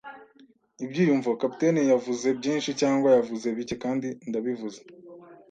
ibyiyumvo. Kapiteni yavuze byinshi cyangwa yavuze bike, kandi ndabivuze